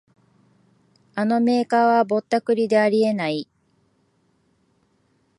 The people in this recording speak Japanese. あのメーカーはぼったくりであり得ない